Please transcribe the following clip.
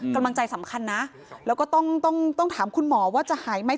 กำลังใจสำคัญนะแล้วก็ต้องถามคุณหมอว่าจะหายไหม